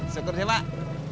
syukur sih pak